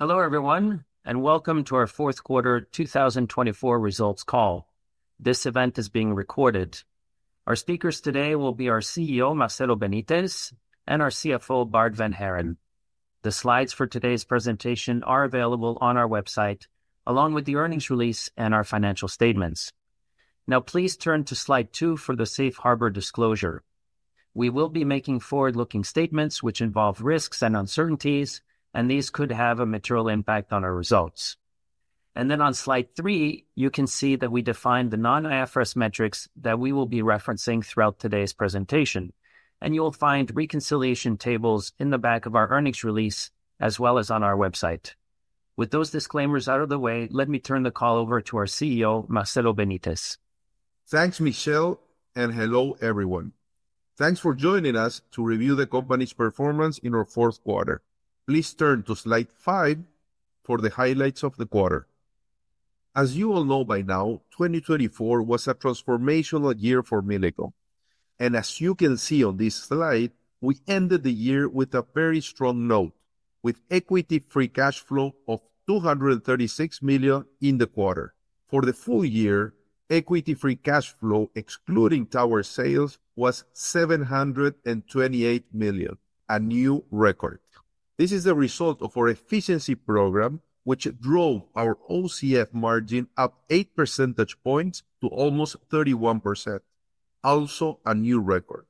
Hello everyone, and welcome to our Q4 2024 results call. This event is being recorded. Our speakers today will be our CEO, Marcelo Benítez, and our CFO, Bart Vanhaeren. The slides for today's presentation are available on our website, along with the earnings release and our financial statements. Now, please turn to slide two for the safe harbor disclosure. We will be making forward-looking statements which involve risks and uncertainties, and these could have a material impact on our results. And then on slide three, you can see that we define the non-IFRS metrics that we will be referencing throughout today's presentation, and you'll find reconciliation tables in the back of our earnings release as well as on our website. With those disclaimers out of the way, let me turn the call over to our CEO, Marcelo Benítez. Thanks, Michel, and hello everyone. Thanks for joining us to review the company's performance in our Q4. Please turn to slide five for the highlights of the quarter. As you all know by now, 2024 was a transformational year for Millicom, and as you can see on this slide, we ended the year with a very strong note, with equity-free cash flow of $236 million in the quarter. For the full year, equity-free cash flow, excluding tower sales, was $728 million, a new record. This is the result of our efficiency program, which drove our OCF margin up eight percentage points to almost 31%, also a new record.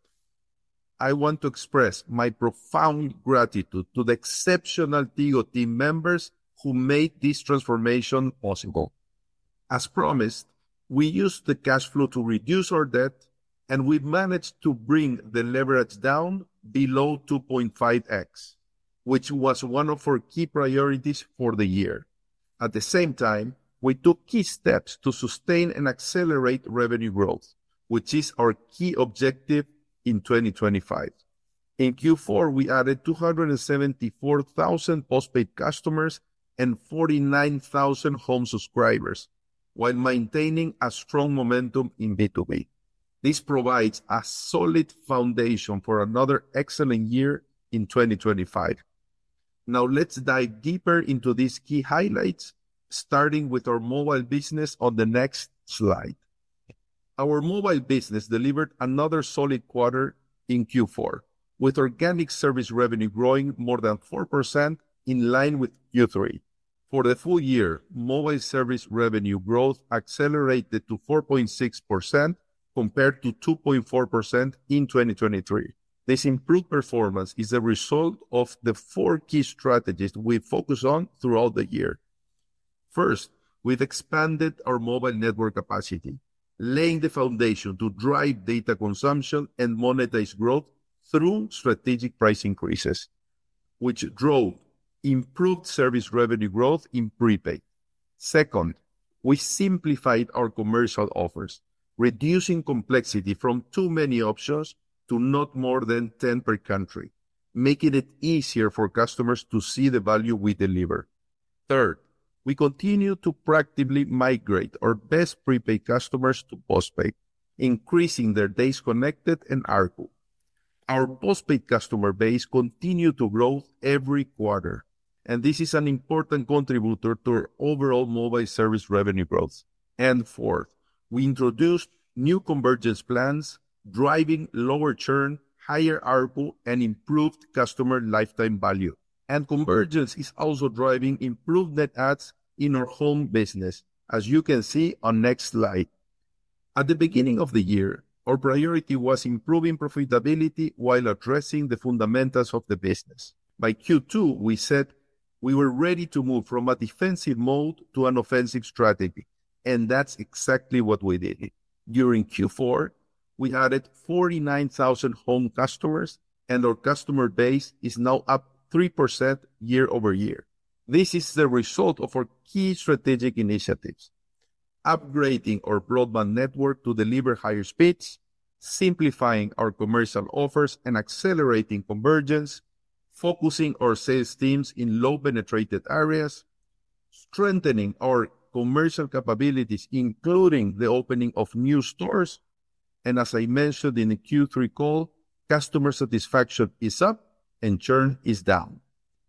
I want to express my profound gratitude to the exceptional Tigo team members who made this transformation possible. As promised, we used the cash flow to reduce our debt, and we managed to bring the leverage down below 2.5x, which was one of our key priorities for the year. At the same time, we took key steps to sustain and accelerate revenue growth, which is our key objective in 2025. In Q4, we added 274,000 postpaid customers and 49,000 Home subscribers, while maintaining a strong momentum in B2B. This provides a solid foundation for another excellent year in 2025. Now, let's dive deeper into these key highlights, starting with our mobile business on the next slide. Our mobile business delivered another solid quarter in Q4, with organic service revenue growing more than 4% in line with Q3. For the full year, mobile service revenue growth accelerated to 4.6% compared to 2.4% in 2023. This improved performance is the result of the four key strategies we focused on throughout the year. First, we've expanded our mobile network capacity, laying the foundation to drive data consumption and monetize growth through strategic price increases, which drove improved service revenue growth in prepaid. Second, we simplified our commercial offers, reducing complexity from too many options to not more than 10 per country, making it easier for customers to see the value we deliver. Third, we continue to proactively migrate our best prepaid customers to postpaid, increasing their days connected and ARPU. Our postpaid customer base continues to grow every quarter, and this is an important contributor to our overall mobile service revenue growth. And fourth, we introduced new convergence plans, driving lower churn, higher ARPU, and improved customer lifetime value. And convergence is also driving improved net adds in our Home business, as you can see on the next slide. At the beginning of the year, our priority was improving profitability while addressing the fundamentals of the business. By Q2, we said we were ready to move from a defensive mode to an offensive strategy, and that's exactly what we did. During Q4, we added 49,000 Home customers, and our customer base is now up 3% year-over-year. This is the result of our key strategic initiatives: upgrading our broadband network to deliver higher speeds, simplifying our commercial offers, and accelerating convergence, focusing our sales teams in low-penetrated areas, strengthening our commercial capabilities, including the opening of new stores. And as I mentioned in the Q3 call, customer satisfaction is up and churn is down.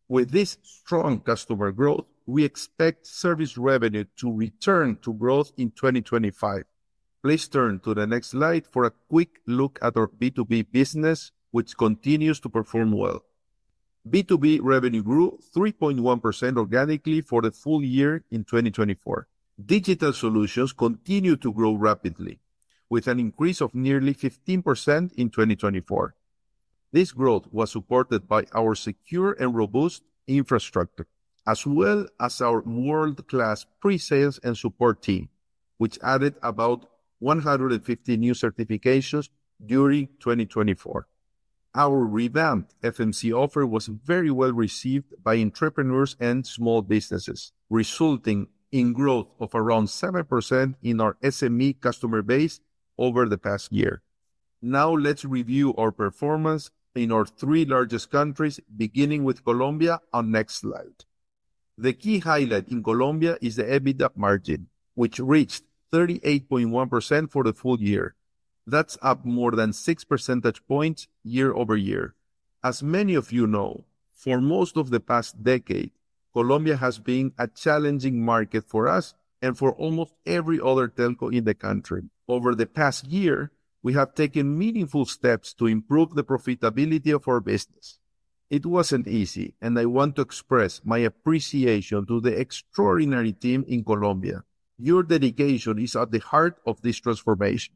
With this strong customer growth, we expect service revenue to return to growth in 2025. Please turn to the next slide for a quick look at our B2B business, which continues to perform well. B2B revenue grew 3.1% organically for the full year in 2024. Digital solutions continue to grow rapidly, with an increase of nearly 15% in 2024. This growth was supported by our secure and robust infrastructure, as well as our world-class pre-sales and support team, which added about 150 new certifications during 2024. Our revamped FMC offer was very well received by entrepreneurs and small businesses, resulting in growth of around 7% in our SME customer base over the past year. Now, let's review our performance in our three largest countries, beginning with Colombia on the next slide. The key highlight in Colombia is the EBITDA margin, which reached 38.1% for the full year. That's up more than 6 percentage points year-over-year. As many of you know, for most of the past decade, Colombia has been a challenging market for us and for almost every other telco in the country. Over the past year, we have taken meaningful steps to improve the profitability of our business. It wasn't easy, and I want to express my appreciation to the extraordinary team in Colombia. Your dedication is at the heart of this transformation.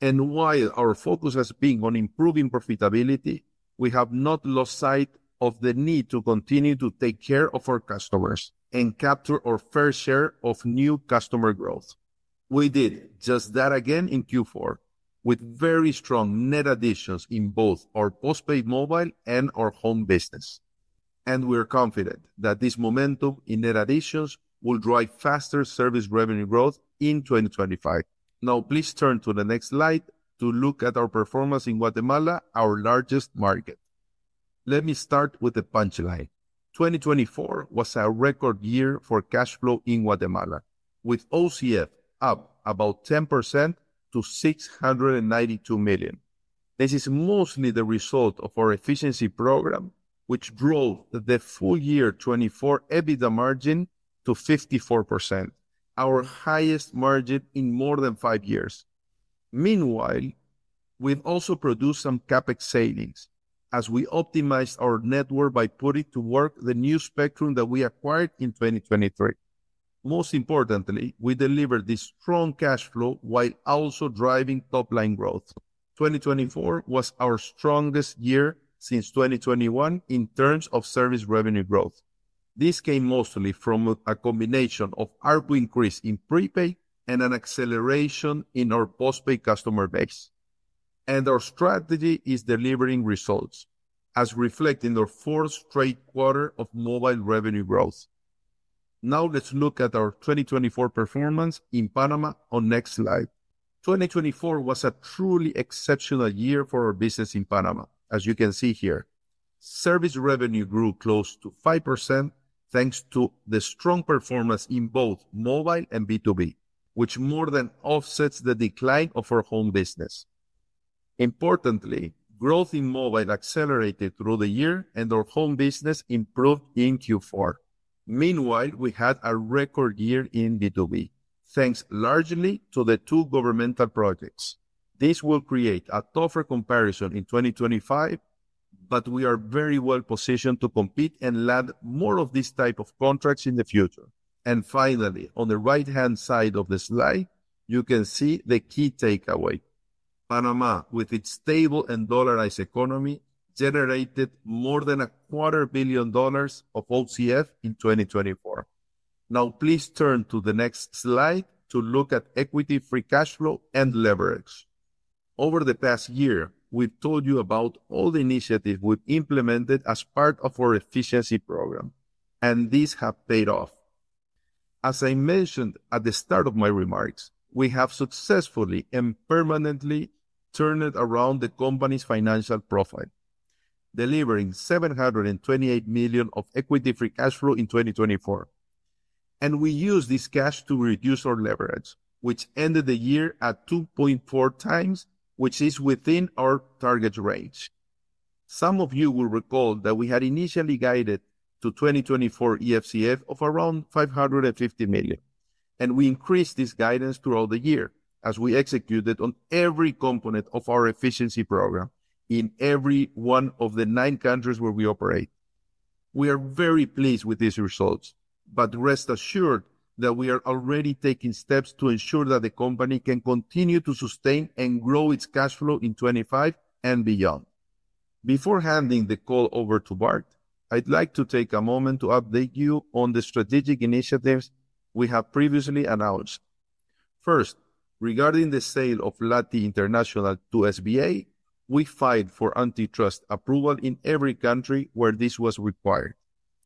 And while our focus has been on improving profitability, we have not lost sight of the need to continue to take care of our customers and capture our fair share of new customer growth. We did just that again in Q4, with very strong net additions in both our postpaid mobile and our Home business. We are confident that this momentum in net additions will drive faster service revenue growth in 2025. Now, please turn to the next slide to look at our performance in Guatemala, our largest market. Let me start with the punchline. 2024 was a record year for cash flow in Guatemala, with OCF up about 10% to $692 million. This is mostly the result of our efficiency program, which drove the full year 2024 EBITDA margin to 54%, our highest margin in more than five years. Meanwhile, we've also produced some CapEx savings as we optimized our network by putting to work the new spectrum that we acquired in 2023. Most importantly, we delivered this strong cash flow while also driving top-line growth. 2024 was our strongest year since 2021 in terms of service revenue growth. This came mostly from a combination of ARPU increase in prepaid and an acceleration in our postpaid customer base, and our strategy is delivering results, as reflected in our fourth straight quarter of mobile revenue growth. Now, let's look at our 2024 performance in Panama on the next slide. 2024 was a truly exceptional year for our business in Panama, as you can see here. Service revenue grew close to 5% thanks to the strong performance in both mobile and B2B, which more than offsets the decline of our Home business. Importantly, growth in mobile accelerated through the year, and our Home business improved in Q4. Meanwhile, we had a record year in B2B, thanks largely to the two governmental projects. This will create a tougher comparison in 2025, but we are very well positioned to compete and land more of these types of contracts in the future. Finally, on the right-hand side of the slide, you can see the key takeaway. Panama, with its stable and dollarized economy, generated more than $250 million of OCF in 2024. Now, please turn to the next slide to look at equity-free cash flow and leverage. Over the past year, we've told you about all the initiatives we've implemented as part of our efficiency program, and these have paid off. As I mentioned at the start of my remarks, we have successfully and permanently turned around the company's financial profile, delivering $728 million of equity-free cash flow in 2024. We used this cash to reduce our leverage, which ended the year at 2.4 times, which is within our target range. Some of you will recall that we had initially guided to 2024 EFCF of around $550 million, and we increased this guidance throughout the year as we executed on every component of our efficiency program in every one of the nine countries where we operate. We are very pleased with these results, but rest assured that we are already taking steps to ensure that the company can continue to sustain and grow its cash flow in 2025 and beyond. Before handing the call over to Bart, I'd like to take a moment to update you on the strategic initiatives we have previously announced. First, regarding the sale of LATI International to SBA, we filed for antitrust approval in every country where this was required.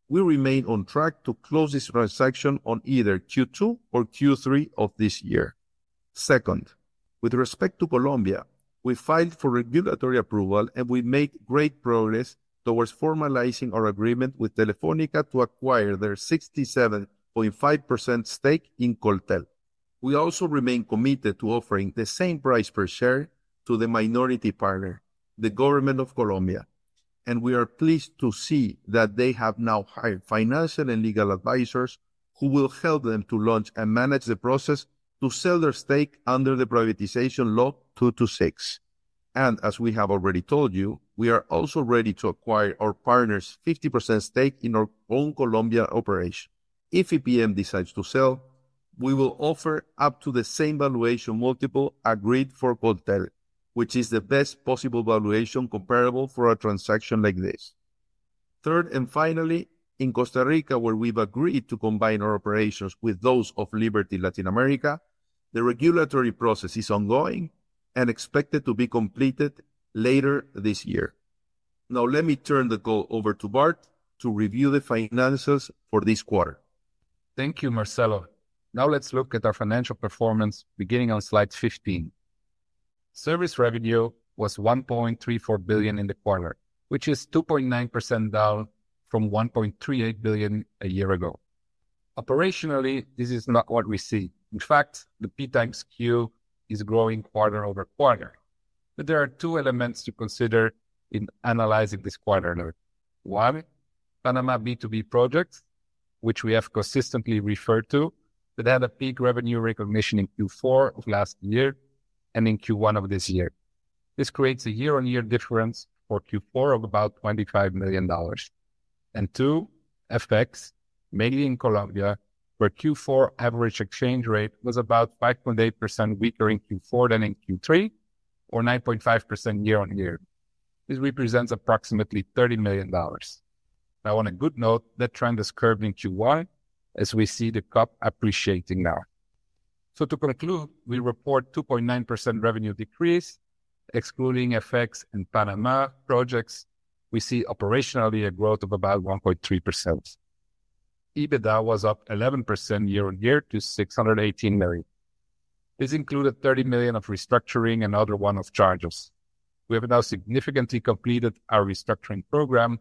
We remain on track to close this transaction on either Q2 or Q3 of this year. Second, with respect to Colombia, we filed for regulatory approval, and we made great progress towards formalizing our agreement with Telefónica to acquire their 67.5% stake in Coltel. We also remain committed to offering the same price per share to the minority partner, the government of Colombia, and we are pleased to see that they have now hired financial and legal advisors who will help them to launch and manage the process to sell their stake under the privatization Law 226, and as we have already told you, we are also ready to acquire our partner's 50% stake in our own Colombia operation. If EPM decides to sell, we will offer up to the same valuation multiple agreed for Coltel, which is the best possible valuation comparable for a transaction like this. Third and finally, in Costa Rica, where we've agreed to combine our operations with those of Liberty Latin America, the regulatory process is ongoing and expected to be completed later this year. Now, let me turn the call over to Bart to review the finances for this quarter. Thank you, Marcelo. Now, let's look at our financial performance beginning on slide 15. Service revenue was $1.34 billion in the quarter, which is 2.9% down from $1.38 billion a year ago. Operationally, this is not what we see. In fact, the P x Q is growing quarter-over-quarter. But there are two elements to consider in analyzing this quarterly. One, Panama B2B projects, which we have consistently referred to, that had a peak revenue recognition in Q4 of last year and in Q1 of this year. This creates a year-on-year difference for Q4 of about $25 million. And two, FX, mainly in Colombia, where Q4 average exchange rate was about 5.8% weaker in Q4 than in Q3, or 9.5% year-on-year. This represents approximately $30 million. Now, on a good note, that trend has curved in Q1, as we see the COP appreciating now. So, to conclude, we report a 2.9% revenue decrease, excluding FX and Panama projects. We see operationally a growth of about 1.3%. EBITDA was up 11% year-on-year to $618 million. This included $30 million of restructuring and another one of charges. We have now significantly completed our restructuring program,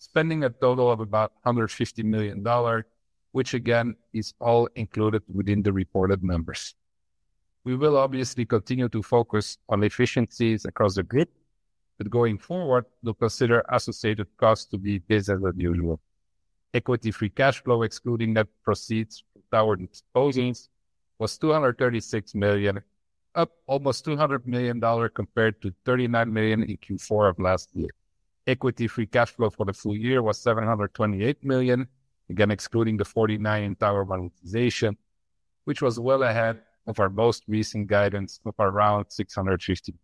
spending a total of about $150 million, which again is all included within the reported numbers. We will obviously continue to focus on efficiencies across the group, but going forward, we'll consider associated costs to be business as usual. Equity-Free Cash Flow, excluding net proceeds from tower disposals, was $236 million, up almost $200 million compared to $39 million in Q4 of last year. Equity-Free Cash Flow for the full year was $728 million, again excluding the $49 million in tower monetization, which was well ahead of our most recent guidance of around $650 million.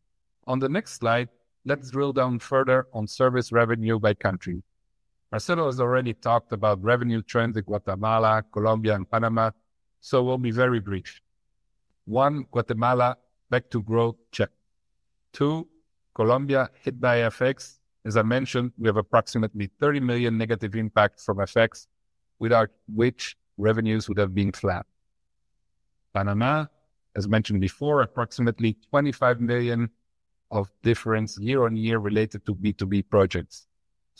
On the next slide, let's drill down further on service revenue by country. Marcelo has already talked about revenue trends in Guatemala, Colombia, and Panama, so we'll be very brief. One, Guatemala, back to growth check. Two, Colombia, hit by FX. As I mentioned, we have approximately $30 million negative impact from FX, without which revenues would have been flat. Panama, as mentioned before, approximately $25 million of difference year-on-year related to B2B projects.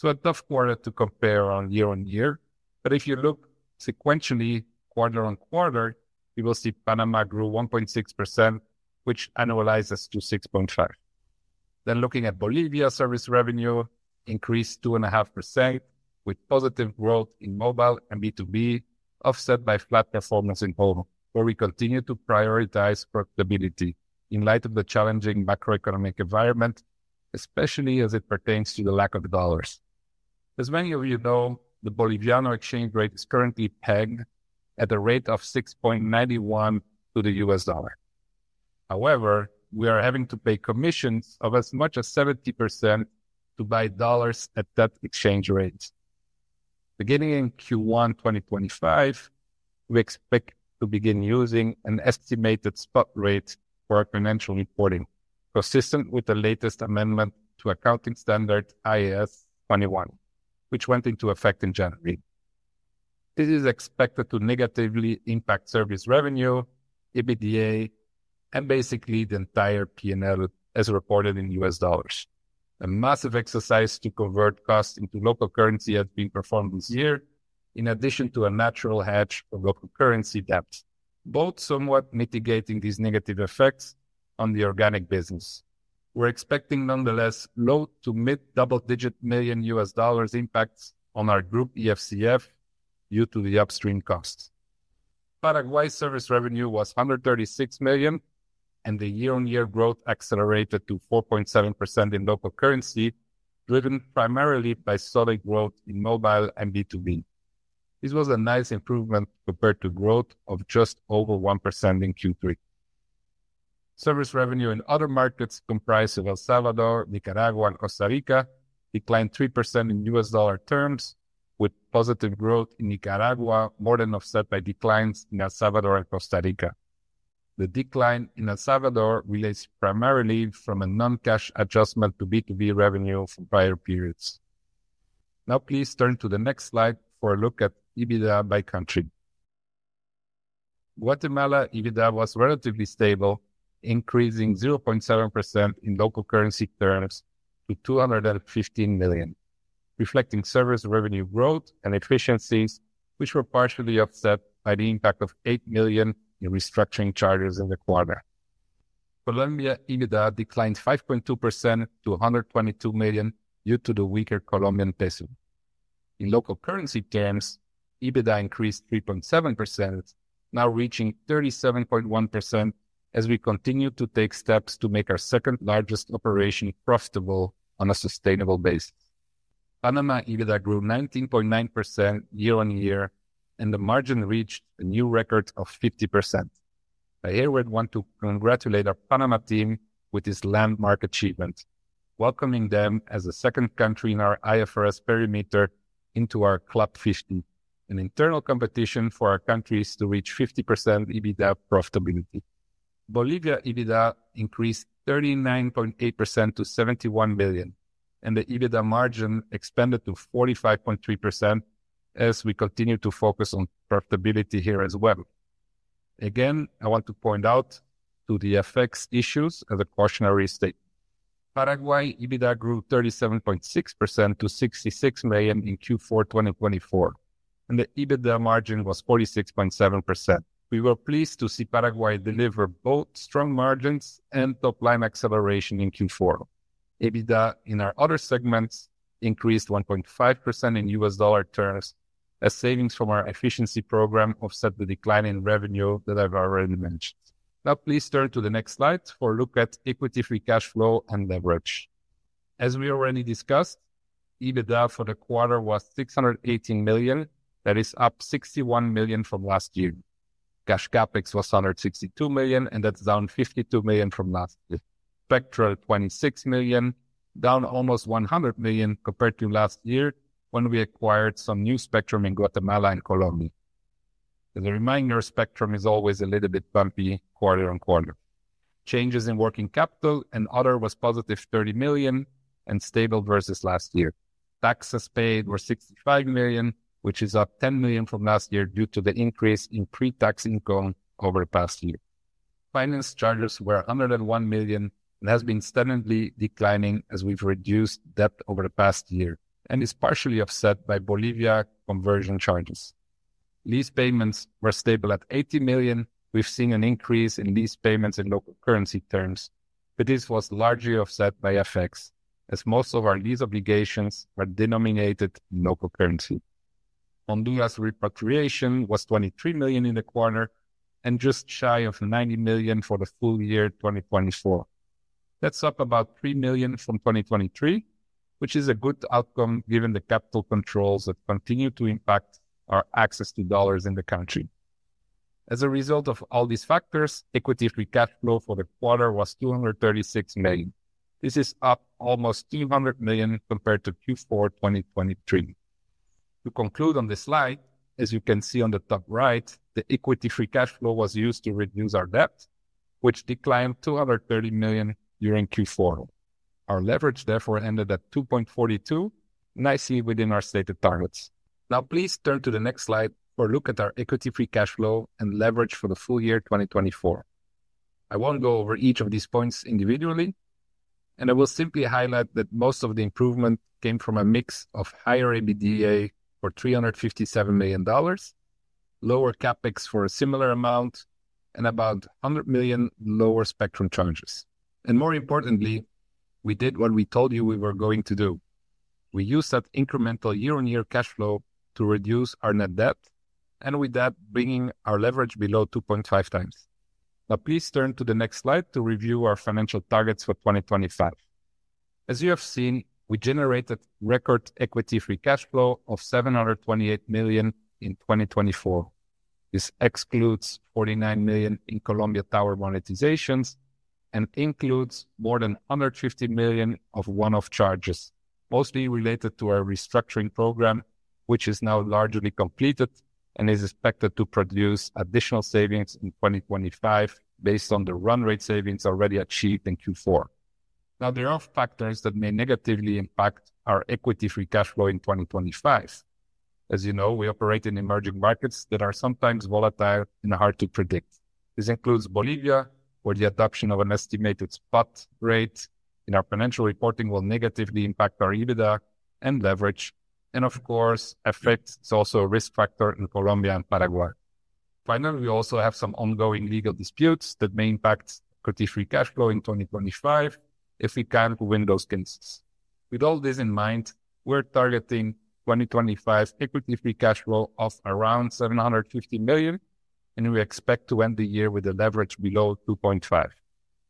A tough quarter to compare on year-on-year, but if you look sequentially quarter on quarter, you will see Panama grew 1.6%, which annualizes to 6.5%. Then, looking at Bolivia, service revenue increased 2.5%, with positive growth in mobile and B2B, offset by flat performance in Home, where we continue to prioritize profitability in light of the challenging macroeconomic environment, especially as it pertains to the lack of dollars. As many of you know, the Boliviano exchange rate is currently pegged at a rate of 6.91 to the US dollar. However, we are having to pay commissions of as much as 70% to buy dollars at that exchange rate. Beginning in Q1 2025, we expect to begin using an estimated spot rate for our financial reporting, consistent with the latest amendment to Accounting Standard IAS 21, which went into effect in January. This is expected to negatively impact service revenue, EBITDA, and basically the entire P&L, as reported in US dollars. A massive exercise to convert costs into local currency has been performed this year, in addition to a natural hedge for local currency debt, both somewhat mitigating these negative effects on the organic business. We're expecting, nonetheless, low- to mid-double-digit million USD impacts on our group EFCF due to the upstream costs. Paraguay's service revenue was $136 million, and the year-on-year growth accelerated to 4.7% in local currency, driven primarily by solid growth in mobile and B2B. This was a nice improvement compared to growth of just over 1% in Q3. Service revenue in other markets, comprised of El Salvador, Nicaragua, and Costa Rica, declined 3% in US dollar terms, with positive growth in Nicaragua more than offset by declines in El Salvador and Costa Rica. The decline in El Salvador relates primarily from a non-cash adjustment to B2B revenue from prior periods. Now, please turn to the next slide for a look at EBITDA by country. Guatemala EBITDA was relatively stable, increasing 0.7% in local currency terms to $215 million, reflecting service revenue growth and efficiencies, which were partially offset by the impact of $8 million in restructuring charges in the quarter. Colombia EBITDA declined 5.2% to $122 million due to the weaker Colombian peso. In local currency terms, EBITDA increased 3.7%, now reaching 37.1% as we continue to take steps to make our second-largest operation profitable on a sustainable basis. Panama EBITDA grew 19.9% year-on-year, and the margin reached a new record of 50%. I here want to congratulate our Panama team with this landmark achievement, welcoming them as the second country in our IFRS perimeter into our Club 50, an internal competition for our countries to reach 50% EBITDA profitability. Bolivia EBITDA increased 39.8% to $71 million, and the EBITDA margin expanded to 45.3% as we continue to focus on profitability here as well. Again, I want to point out to the FX issues as a cautionary statement. Paraguay EBITDA grew 37.6% to $66 million in Q4 2024, and the EBITDA margin was 46.7%. We were pleased to see Paraguay deliver both strong margins and top-line acceleration in Q4. EBITDA in our other segments increased 1.5% in US dollar terms, as savings from our efficiency program offset the decline in revenue that I've already mentioned. Now, please turn to the next slide for a look at equity-free cash flow and leverage. As we already discussed, EBITDA for the quarter was $618 million, that is up $61 million from last year. Cash CapEx was $162 million, and that's down $52 million from last year. Spectrum $26 million, down almost $100 million compared to last year when we acquired some new spectrum in Guatemala and Colombia. As a reminder, spectrum is always a little bit bumpy quarter-on-quarter. Changes in working capital and other was positive $30 million and stable versus last year. Taxes paid were $65 million, which is up $10 million from last year due to the increase in pre-tax income over the past year. Finance charges were $101 million and have been steadily declining as we've reduced debt over the past year and is partially offset by Bolivia conversion charges. Lease payments were stable at $80 million. We've seen an increase in lease payments in local currency terms, but this was largely offset by FX, as most of our lease obligations were denominated in local currency. Honduras repatriation was $23 million in the quarter and just shy of $90 million for the full year 2024. That's up about $3 million from 2023, which is a good outcome given the capital controls that continue to impact our access to dollars in the country. As a result of all these factors, Equity-Free Cash Flow for the quarter was $236 million. This is up almost $200 million compared to Q4 2023. To conclude on this slide, as you can see on the top right, the Equity-Free Cash Flow was used to reduce our debt, which declined $230 million during Q4. Our leverage, therefore, ended at 2.42, nicely within our stated targets. Now, please turn to the next slide for a look at our equity-free cash flow and leverage for the full year 2024. I won't go over each of these points individually, and I will simply highlight that most of the improvement came from a mix of higher EBITDA for $357 million, lower CapEx for a similar amount, and about $100 million lower spectrum charges, and more importantly, we did what we told you we were going to do. We used that incremental year-on-year cash flow to reduce our net debt, and with that, bringing our leverage below 2.5 times. Now, please turn to the next slide to review our financial targets for 2025. As you have seen, we generated record equity-free cash flow of $728 million in 2024. This excludes $49 million in Colombia tower monetizations and includes more than $150 million of one-off charges, mostly related to our restructuring program, which is now largely completed and is expected to produce additional savings in 2025 based on the run rate savings already achieved in Q4. Now, there are factors that may negatively impact our equity-free cash flow in 2025. As you know, we operate in emerging markets that are sometimes volatile and hard to predict. This includes Bolivia, where the adoption of an estimated spot rate in our financial reporting will negatively impact our EBITDA and leverage, and of course, affects also a risk factor in Colombia and Paraguay. Finally, we also have some ongoing legal disputes that may impact equity-free cash flow in 2025 if we can't win those cases. With all this in mind, we're targeting 2025 equity-free cash flow of around $750 million, and we expect to end the year with a leverage below 2.5.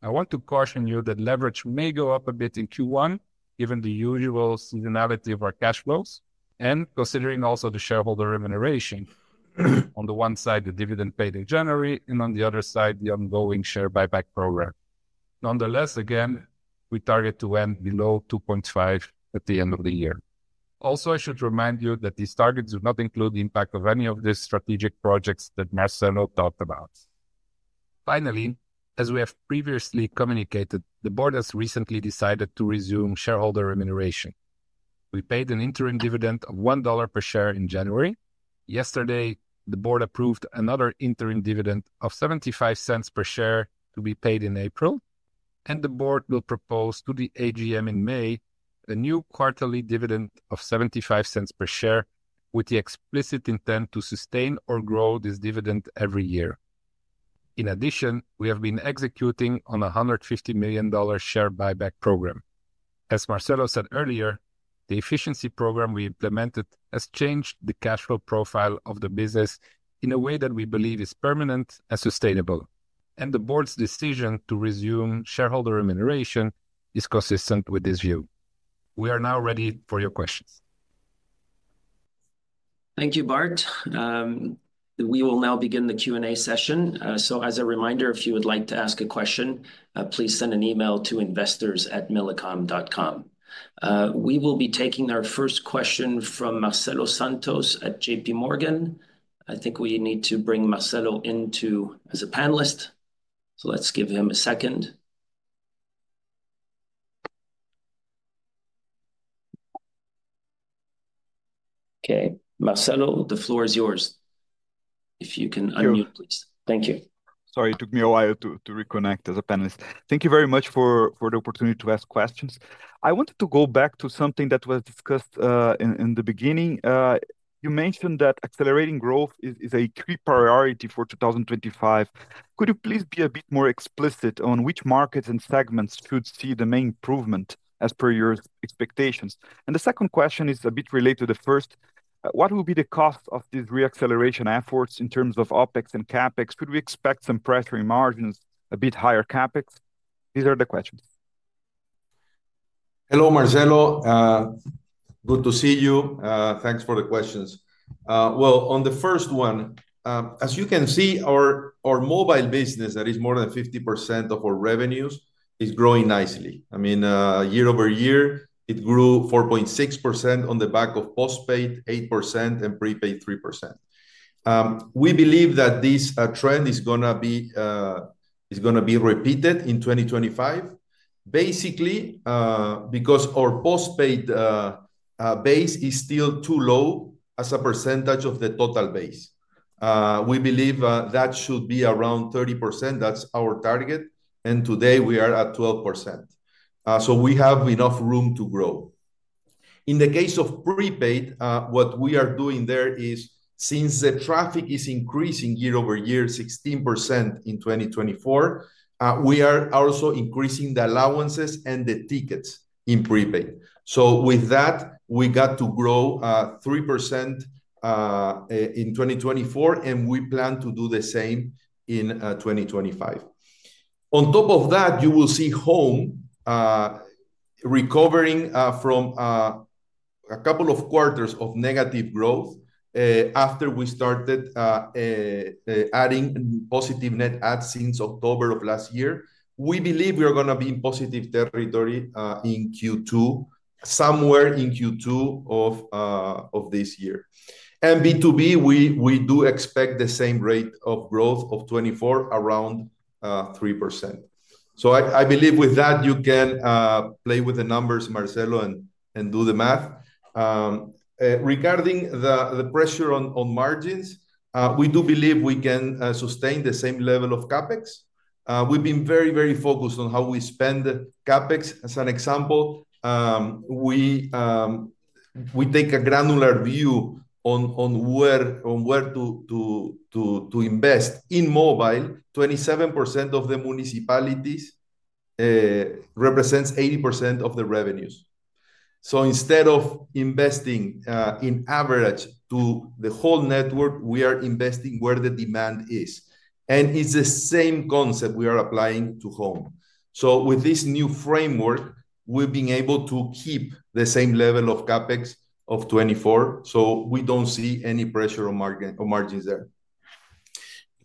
I want to caution you that leverage may go up a bit in Q1, given the usual seasonality of our cash flows and considering also the shareholder remuneration. On the one side, the dividend paid in January, and on the other side, the ongoing share buyback program. Nonetheless, again, we target to end below 2.5 at the end of the year. Also, I should remind you that these targets do not include the impact of any of these strategic projects that Marcelo talked about. Finally, as we have previously communicated, the board has recently decided to resume shareholder remuneration. We paid an interim dividend of $1 per share in January. Yesterday, the board approved another interim dividend of $0.75 per share to be paid in April, and the board will propose to the AGM in May a new quarterly dividend of $0.75 per share, with the explicit intent to sustain or grow this dividend every year. In addition, we have been executing on a $150 million share buyback program. As Marcelo said earlier, the efficiency program we implemented has changed the cash flow profile of the business in a way that we believe is permanent and sustainable, and the board's decision to resume shareholder remuneration is consistent with this view. We are now ready for your questions. Thank you, Bart. We will now begin the Q&A session. So as a reminder, if you would like to ask a question, please send an email to investors@millicom.com. We will be taking our first question from Marcelo Santos at JPMorgan. I think we need to bring Marcelo in as a panelist, so let's give him a second. Okay, Marcelo, the floor is yours. If you can unmute, please. Thank you. Sorry, it took me a while to reconnect as a panelist. Thank you very much for the opportunity to ask questions. I wanted to go back to something that was discussed in the beginning. You mentioned that accelerating growth is a key priority for 2025. Could you please be a bit more explicit on which markets and segments should see the main improvement as per your expectations? And the second question is a bit related to the first. What will be the cost of these reacceleration efforts in terms of OpEx and CapEx? Should we expect some pressure in margins, a bit higher CapEx? These are the questions. Hello, Marcelo. Good to see you. Thanks for the questions. On the first one, as you can see, our mobile business, that is more than 50% of our revenues, is growing nicely. I mean, year-over-year, it grew 4.6% on the back of postpaid 8% and prepaid 3%. We believe that this trend is going to be repeated in 2025, basically, because our postpaid base is still too low as a percentage of the total base. We believe that should be around 30%. That's our target. And today we are at 12%. So we have enough room to grow. In the case of prepaid, what we are doing there is, since the traffic is increasing year-over-year 16% in 2024, we are also increasing the allowances and the tickets in prepaid. So with that, we got to grow 3% in 2024, and we plan to do the same in 2025. On top of that, you will see Home recovering from a couple of quarters of negative growth after we started adding positive net adds since October of last year. We believe we are going to be in positive territory in Q2, somewhere in Q2 of this year. And B2B, we do expect the same rate of growth of 2024, around 3%. So I believe with that, you can play with the numbers, Marcelo, and do the math. Regarding the pressure on margins, we do believe we can sustain the same level of CapEx. We've been very, very focused on how we spend CapEx. As an example, we take a granular view on where to invest in mobile. 27% of the municipalities represents 80% of the revenues. So instead of investing in average to the whole network, we are investing where the demand is. And it's the same concept we are applying to Home. So with this new framework, we've been able to keep the same level of CapEx of 2024, so we don't see any pressure on margins there.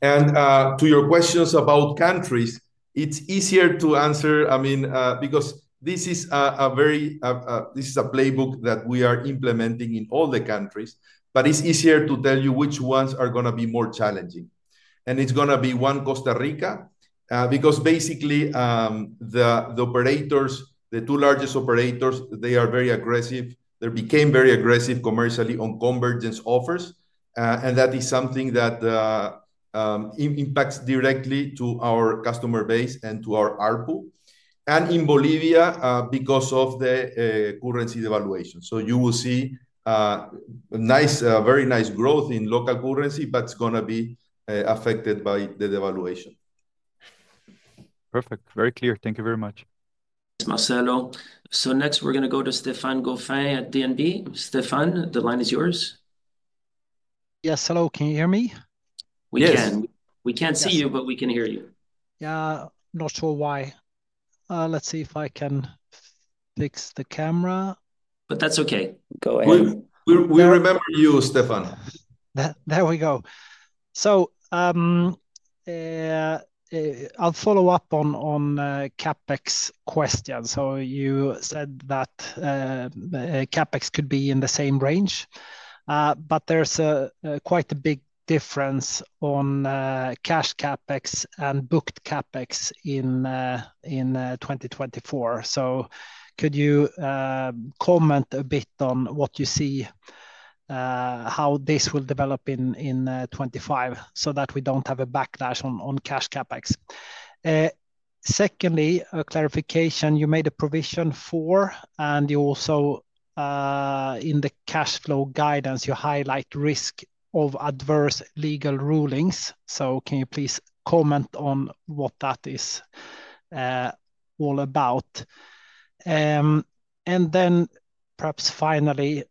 And to your questions about countries, it's easier to answer, I mean, because this is a very, this is a playbook that we are implementing in all the countries, but it's easier to tell you which ones are going to be more challenging. And it's going to be one Costa Rica, because basically, the operators, the two largest operators, they are very aggressive. They became very aggressive commercially on convergence offers. And that is something that impacts directly to our customer base and to our ARPU. And in Bolivia, because of the currency devaluation. So you will see a nice, very nice growth in local currency, but it's going to be affected by the devaluation. Perfect. Very clear. Thank you very much. Marcelo. So next, we're going to go to Stefan Gauffin at DNB. Stefan, the line is yours. Yes. Hello. Can you hear me? We can. We can't see you, but we can hear you. Yeah. Not sure why. Let's see if I can fix the camera. But that's okay. Go ahead. We remember you, Stefan. There we go. So, I'll follow up on CapEx question. So you said that CapEx could be in the same range, but there's quite a big difference on cash CapEx and booked CapEx in 2024. So could you comment a bit on what you see, how this will develop in 2025 so that we don't have a backlash on cash CapEx? Secondly, a clarification. You made a provision for, and you also, in the cash flow guidance, you highlight risk of adverse legal rulings. So can you please comment on what that is, all about? And then perhaps finally,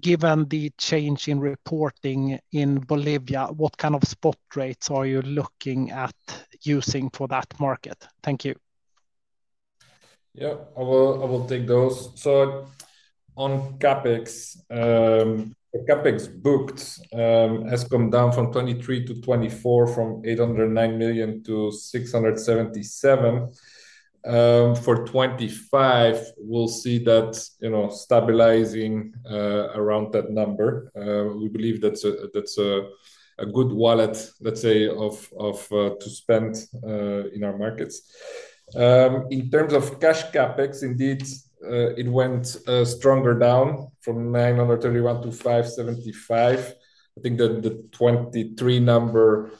given the change in reporting in Bolivia, what kind of spot rates are you looking at using for that market? Thank you. Yeah, I will take those. So on CapEx, the CapEx booked has come down from 2023 to 2024 from $809 million to $677 million. For 2025, we'll see that, you know, stabilizing around that number. We believe that's a good wallet, let's say, of to spend in our markets. In terms of cash CapEx, indeed, it went stronger down from $931 million to $575 million. I think that the 2023 number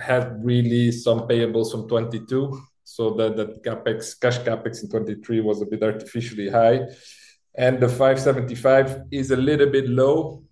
had really some payables from 2022. So that CapEx, cash CapEx in 2023 was a bit artificially high. And the $575 is a little bit low,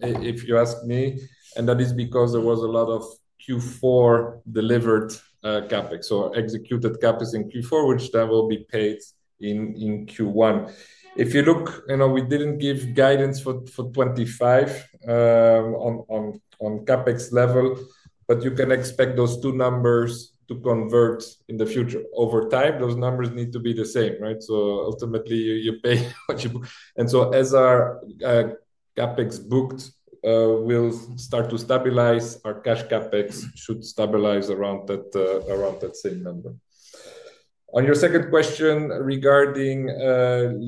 if you ask me. And that is because there was a lot of Q4 delivered CapEx. So executed CapEx in Q4, which will be paid in Q1. If you look, you know, we didn't give guidance for 2025 on CapEx level, but you can expect those two numbers to convert in the future. Over time, those numbers need to be the same, right? So ultimately, you pay what you book. And so as our CapEx booked will start to stabilize, our cash CapEx should stabilize around that same number. On your second question regarding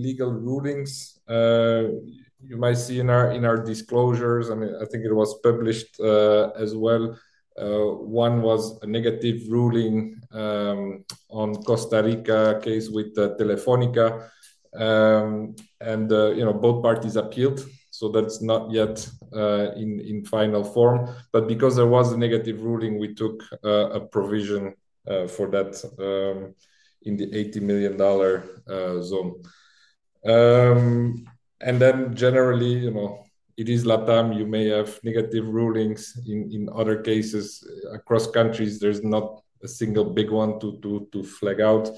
legal rulings, you might see in our disclosures, I mean, I think it was published as well. One was a negative ruling on Costa Rica case with Telefónica. And you know, both parties appealed. So that's not yet in final form. But because there was a negative ruling, we took a provision for that in the $80 million zone. And then generally, you know, it is LATAM. You may have negative rulings in other cases across countries. There's not a single big one to flag out.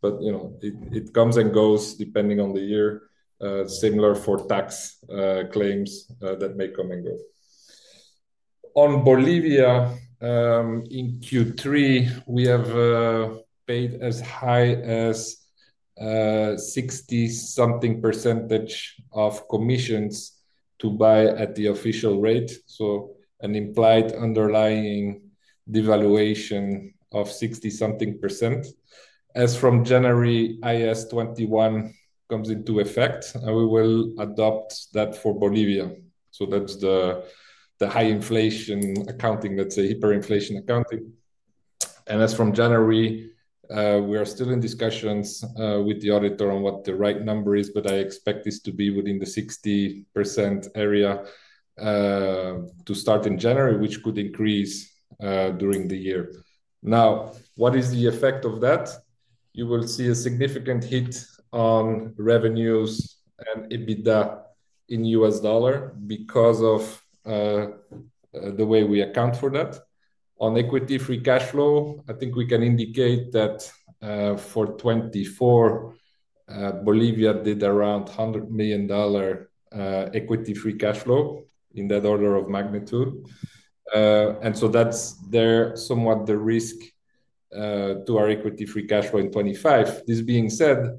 But, you know, it comes and goes depending on the year. Similar for tax claims that may come and go. On Bolivia, in Q3, we have paid as high as 60-something percentage of commissions to buy at the official rate. So an implied underlying devaluation of 60% something. As from January IAS 21 comes into effect, we will adopt that for Bolivia. So that's the high inflation accounting, let's say, hyperinflation accounting. As from January, we are still in discussions with the auditor on what the right number is, but I expect this to be within the 60% area to start in January, which could increase during the year. Now, what is the effect of that? You will see a significant hit on revenues and EBITDA in US dollar because of the way we account for that. On equity-free cash flow, I think we can indicate that for 2024, Bolivia did around $100 million equity-free cash flow in that order of magnitude. And so that's there somewhat the risk to our equity-free cash flow in 2025. This being said,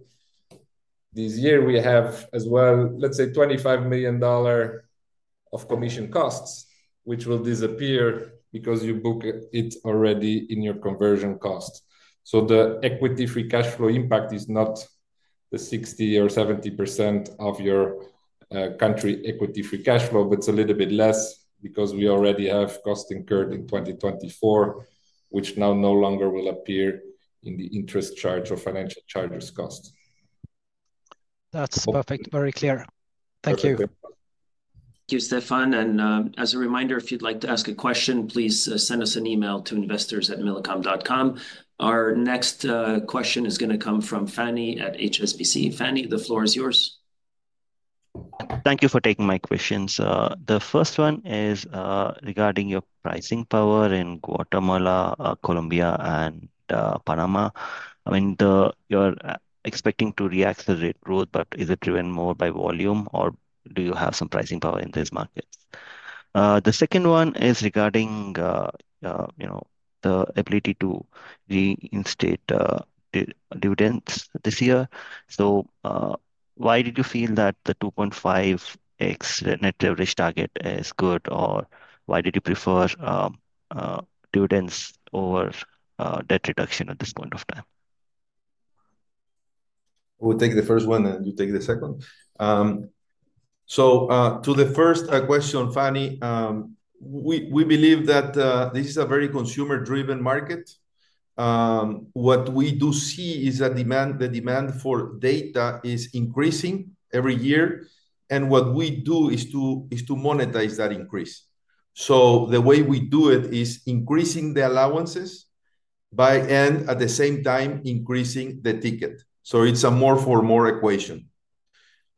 this year we have as well, let's say, $25 million of commission costs, which will disappear because you book it already in your conversion cost. The equity-free cash flow impact is not the 60% or 70% of your country equity-free cash flow, but it's a little bit less because we already have costs incurred in 2024, which now no longer will appear in the interest charge or financial charges cost. That's perfect. Very clear. Thank you. Thank you, Stefan. And as a reminder, if you'd like to ask a question, please send us an email to investors@millicom.com. Our next question is going to come from Fanny at HSBC. Fanny, the floor is yours. Thank you for taking my questions. The first one is regarding your pricing power in Guatemala, Colombia, and Panama. I mean, you're expecting to reaccelerate growth, but is it driven more by volume, or do you have some pricing power in these markets? The second one is regarding, you know, the ability to reinstate dividends this year. So, why did you feel that the 2.5x net leverage target is good, or why did you prefer dividends over debt reduction at this point of time? We'll take the first one, and you take the second. To the first question, Fanny, we believe that this is a very consumer-driven market. What we do see is that demand, the demand for data is increasing every year. And what we do is to monetize that increase. So the way we do it is increasing the allowances by, and at the same time, increasing the ticket. So it's a more for more equation.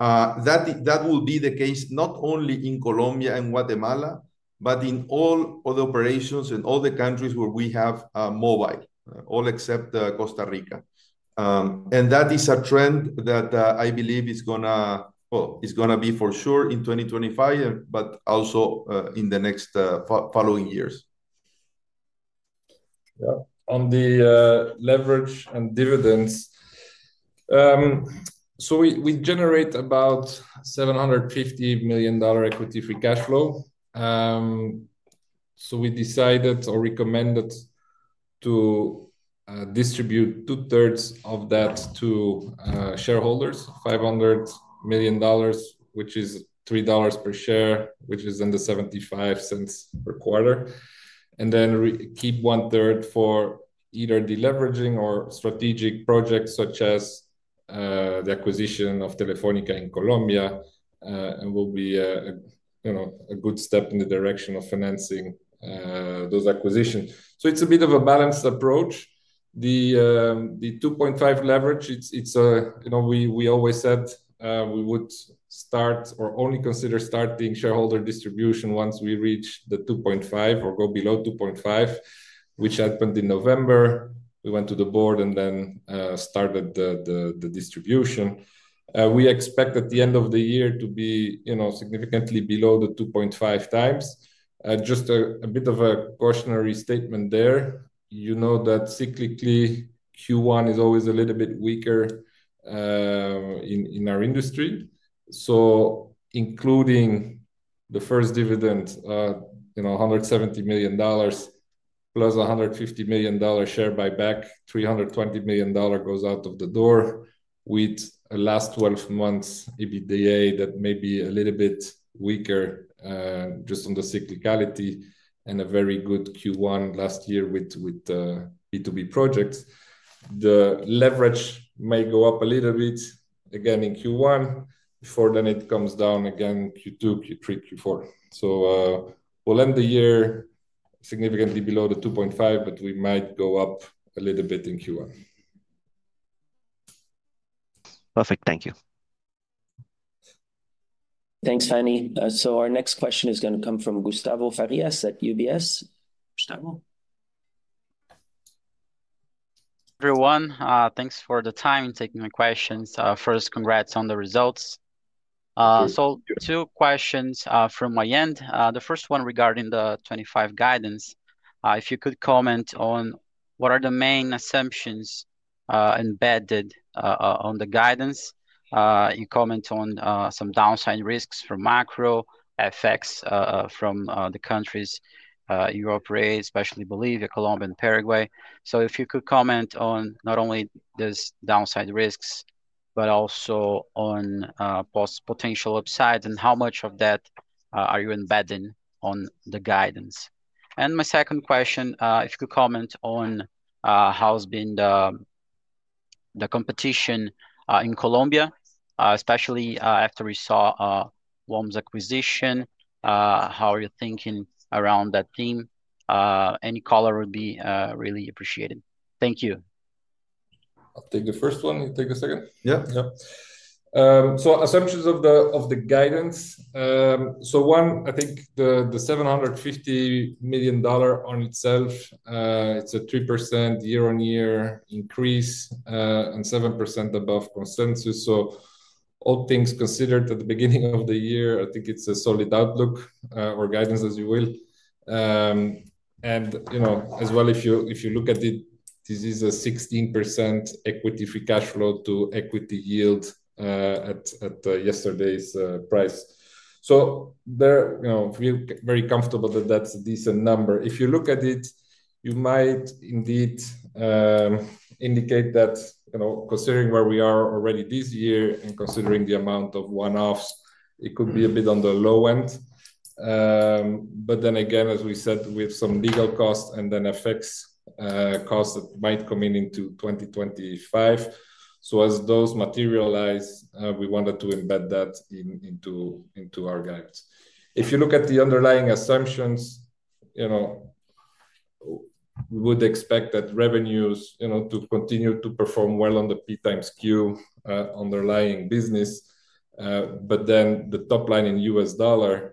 That will be the case not only in Colombia and Guatemala, but in all other operations in all the countries where we have mobile, all except Costa Rica. And that is a trend that I believe is going to, well, is going to be for sure in 2025, but also in the next following years. Yeah. On the leverage and dividends. So we generate about $750 million equity-free cash flow. So we decided or recommended to distribute two-thirds of that to shareholders, $500 million, which is $3 per share, which is in the $0.75 per quarter. And then keep one-third for either deleveraging or strategic projects such as the acquisition of Telefónica in Colombia. And will be a, you know, a good step in the direction of financing those acquisitions. So it's a bit of a balanced approach. The 2.5 leverage, it's a, you know, we always said we would start or only consider starting shareholder distribution once we reach the 2.5 or go below 2.5, which happened in November. We went to the board and then started the distribution. We expect at the end of the year to be, you know, significantly below the 2.5 times. Just a bit of a cautionary statement there. You know that cyclically Q1 is always a little bit weaker in our industry. So including the first dividend, you know, $170 million plus $150 million share buyback, $320 million goes out of the door with a last 12 months EBITDA that may be a little bit weaker just on the cyclicality and a very good Q1 last year with the B2B projects. The leverage may go up a little bit again in Q1. Before then, it comes down again Q2, Q3, Q4. So we'll end the year significantly below the 2.5, but we might go up a little bit in Q1. Perfect. Thank you. Thanks, Fanny. So our next question is going to come from Gustavo Farias at UBS. Gustavo. Everyone, thanks for the time and taking my questions. First, congrats on the results. So two questions from my end. The first one regarding the 2025 guidance. If you could comment on what are the main assumptions embedded on the guidance. You comment on some downside risks for macro effects from the countries, your peers raised, especially Bolivia, Colombia, and Paraguay. So if you could comment on not only those downside risks, but also on possible potential upsides and how much of that are you embedding on the guidance. And my second question, if you could comment on how's been the competition in Colombia, especially after we saw WOM's acquisition, how are you thinking around that theme? Any color would be really appreciated. Thank you. I'll take the first one. You take a second? Yeah. Yeah. Assumptions of the guidance. One, I think the $750 million-dollar on itself, it's a 3% year-on-year increase and 7% above consensus. All things considered at the beginning of the year, I think it's a solid outlook or guidance, as you will. You know, as well, if you look at it, this is a 16% equity-free cash flow to equity yield at yesterday's price. There, you know, we're very comfortable that that's a decent number. If you look at it, you might indeed indicate that, you know, considering where we are already this year and considering the amount of one-offs, it could be a bit on the low end. Then again, as we said, with some legal costs and then FX costs that might come in into 2025. So as those materialize, we wanted to embed that in our guidance. If you look at the underlying assumptions, you know, we would expect that revenues, you know, to continue to perform well on the P x Q underlying business, but then the top line in US dollars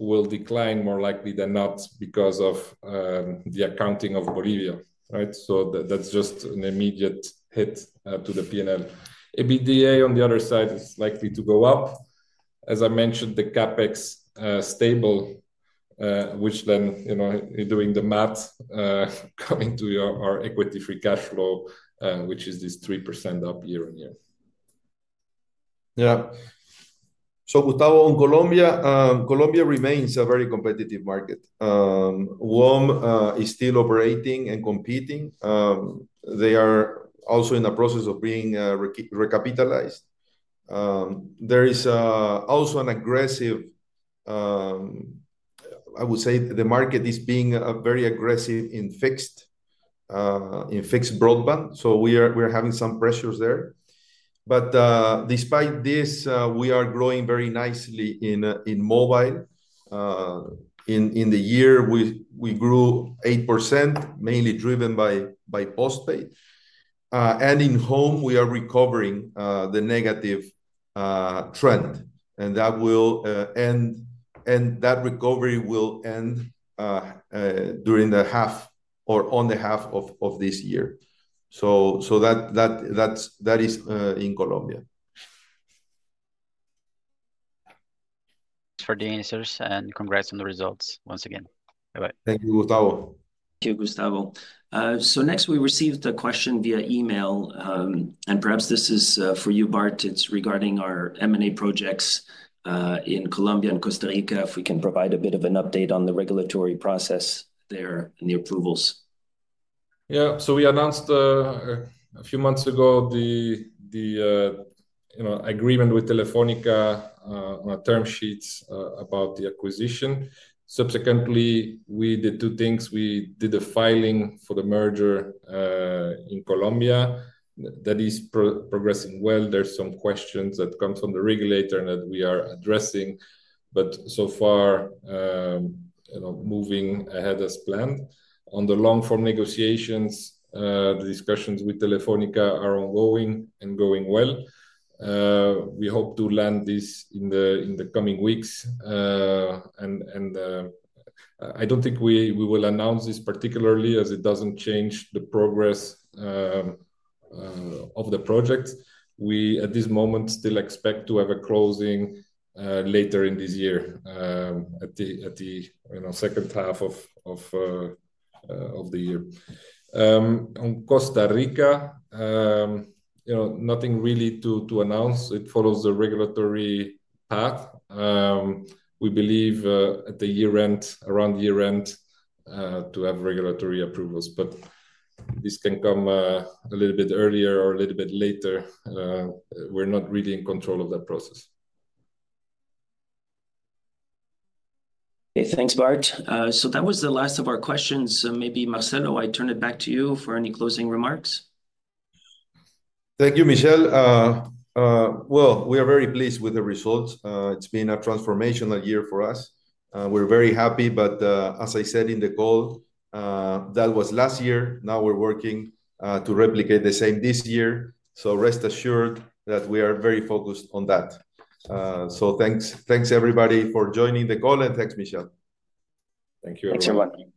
will decline more likely than not because of the accounting of Bolivia, right? So that's just an immediate hit to the P&L. EBITDA, on the other side, is likely to go up. As I mentioned, the CapEx stable, which then, you know, you're doing the math, coming to our equity-free cash flow, which is this 3% up year-on-year. Yeah. So Gustavo, on Colombia, Colombia remains a very competitive market. WOM is still operating and competing. They are also in the process of being recapitalized. There is also an aggressive, I would say the market is being very aggressive in fixed broadband. So we are having some pressures there. But despite this, we are growing very nicely in mobile. In the year, we grew 8%, mainly driven by postpaid. And in Home, we are recovering the negative trend. And that recovery will end during the half or on the half of this year. So that's in Colombia. Thanks for the answers and congrats on the results once again. Bye-bye. Thank you, Gustavo. Next, we received a question via email. And perhaps this is for you, Bart. It's regarding our M&A projects in Colombia and Costa Rica, if we can provide a bit of an update on the regulatory process there and the approvals. Yeah. So we announced a few months ago the you know, agreement with Telefónica on a term sheet about the acquisition. Subsequently, we did two things. We did a filing for the merger in Colombia. That is progressing well. There are some questions that come from the regulator and that we are addressing. But so far, you know, moving ahead as planned. On the long-form negotiations, the discussions with Telefónica are ongoing and going well. We hope to land this in the coming weeks. And I don't think we will announce this particularly as it doesn't change the progress of the project. We at this moment still expect to have a closing later in this year, at the you know, second half of the year. On Costa Rica, you know, nothing really to announce. It follows the regulatory path. We believe at the year-end, around year-end, to have regulatory approvals. But this can come a little bit earlier or a little bit later. We're not really in control of that process. Okay, thanks, Bart. So that was the last of our questions. So maybe, Marcelo, I turn it back to you for any closing remarks. Thank you, Michel. Well, we are very pleased with the results. It's been a transformational year for us. We're very happy, but as I said in the call, that was last year. Now we're working to replicate the same this year. So rest assured that we are very focused on that. So, thanks, thanks everybody for joining the call and thanks, Michel. Thank you. Thanks everyone.